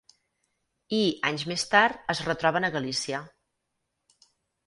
I, anys més tard, es retroben a Galícia.